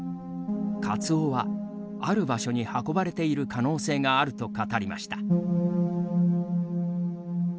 カツオは、ある場所に運ばれている可能性があると語りました。